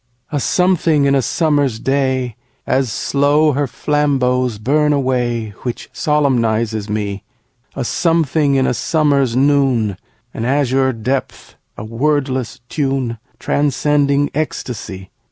A something in a summer's day, As slow her flambeaux burn away, Which solemnizes me. A something in a summer's noon, An azure depth, a wordless tune, Transcending ecstasy.